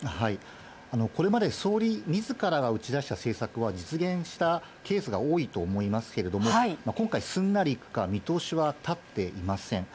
これまで総理みずからが打ち出した政策は、実現したケースが多いと思いますけれども、今回、すんなりいくか、見通しは立っていません。